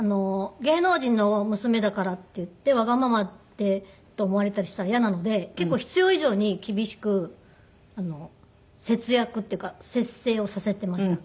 芸能人の娘だからっていってわがままって思われたりしたら嫌なので結構必要以上に厳しく節約っていうか節制をさせていました。